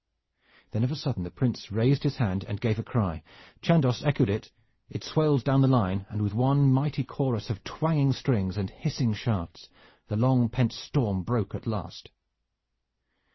Then of a sudden the Prince raised his hand and gave a cry. Chandos echoed it, it swelled down the line, and with one mighty chorus of twanging strings and hissing shafts the long pent storm broke at last.